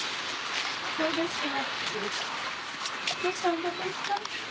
そうですか。